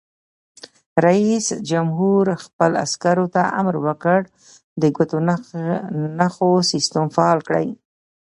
رئیس جمهور خپلو عسکرو ته امر وکړ؛ د ګوتو نښو سیسټم فعال کړئ!